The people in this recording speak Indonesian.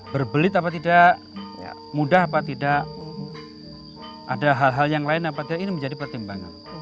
berbelit apa tidak mudah apa tidak ada hal hal yang lain apa tidak ini menjadi pertimbangan